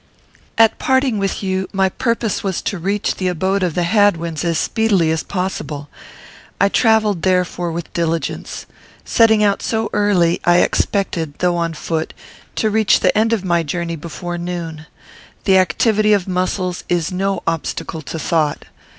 At parting with you, my purpose was to reach the abode of the Hadwins as speedily as possible. I travelled therefore with diligence. Setting out so early, I expected, though on foot, to reach the end of my journey before noon. The activity of muscles is no obstacle to thought.